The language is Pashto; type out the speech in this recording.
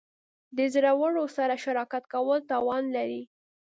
د زورورو سره شراکت کول تاوان لري.